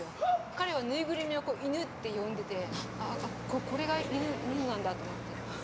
彼はぬいぐるみを犬って呼んでてこれが犬なんだと思って。